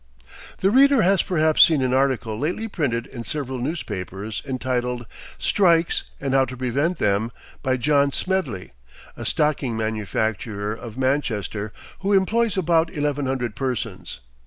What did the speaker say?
The reader has perhaps seen an article lately printed in several newspapers entitled: "Strikes and How to Prevent Them," by John Smedley, a stocking manufacturer of Manchester, who employs about eleven hundred persons.